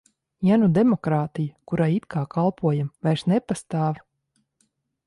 Ja nu demokrātija, kurai it kā kalpojam, vairs nepastāv?